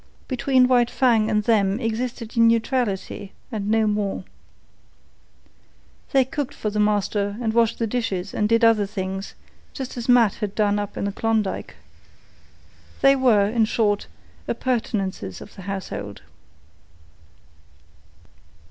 Between White Fang and them existed a neutrality and no more. They cooked for the master and washed the dishes and did other things just as Matt had done up in the Klondike. They were, in short, appurtenances of the household.